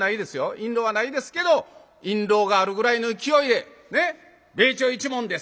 印籠はないですけど印籠があるぐらいの勢いで「米朝一門です」